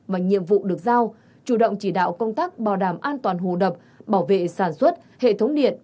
và nhiệm vụ được giao chủ động chỉ đạo công tác bảo đảm an toàn hồ đập bảo vệ sản xuất hệ thống điện